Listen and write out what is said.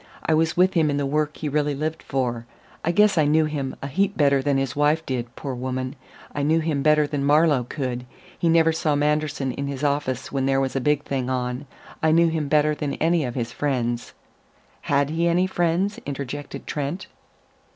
I was with him in the work he really lived for. I guess I knew him a heap better than his wife did, poor woman. I knew him better than Marlowe could he never saw Manderson in his office when there was a big thing on. I knew him better than any of his friends." "Had he any friends?" interjected Trent.